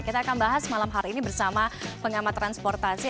kita akan bahas malam hari ini bersama pengamat transportasi